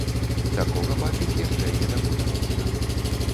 Такога бачыць яшчэ не даводзілася.